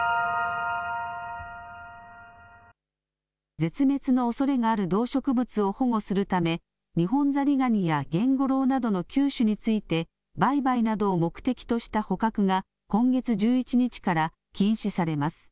絶滅のおそれがある動植物を保護するためニホンザリガニやゲンゴロウなどの９種について売買などを目的とした捕獲が今月１１日から禁止されます。